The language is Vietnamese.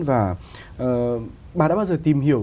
và bà đã bao giờ tìm hiểu